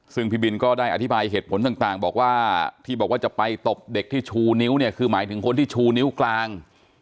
ซึ่งพี่บินก็ได้อธิบายเหตุผลต่างบอกว่าที่บอกว่าจะไปตบเด็กที่ชูนิ้วเนี่ยคือหมายถึงคนที่ชูนิ้วกลาง